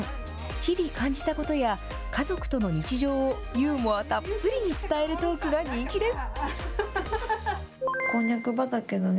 日々感じたことや、家族との日常を、ユーモアたっぷりに伝えるトークが人気です。